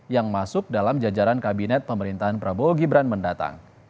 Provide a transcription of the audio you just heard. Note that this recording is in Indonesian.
yang masuk dalam jajaran kabinet pemerintahan prabowo gibran mendatang